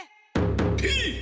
てい！